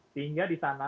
sehingga di sana